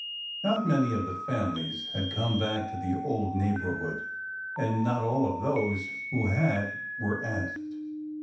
Not many of the families had come back to the old neighborhood, and not all of those who had were asked.